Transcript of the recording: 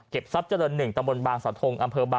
เคยมีเรื่องบัดหมางอะไรหายไป